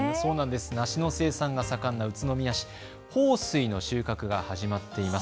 梨の生産が盛んな宇都宮市、豊水の収穫が始まっています。